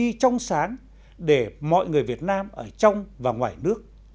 hãy hành xử bằng lương tri trong sáng để mọi người việt nam ở trong và ngoài nước trân trọng